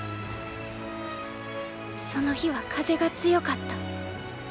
その日は風が強かった。